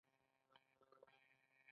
کمال خان بند د اوبو کنټرول لپاره مهم دی